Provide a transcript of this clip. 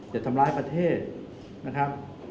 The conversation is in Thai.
จะทำร้ายประเทศนะครับ